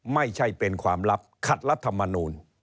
ไม่ใช่เป็นความลับขัดรัฐมนูล